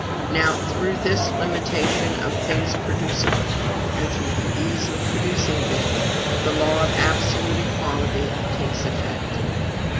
Now, through this limitation of things producible, and through the ease of producing them, the law of absolute equality takes effect.